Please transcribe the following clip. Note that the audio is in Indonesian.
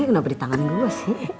nih kenapa di tangan gue sih